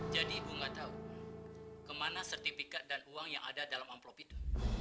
jadi ibu nggak tahu kemana sertifikat dan uang yang ada dalam amplop itu